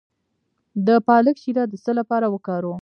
د پالک شیره د څه لپاره وکاروم؟